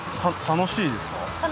楽しいです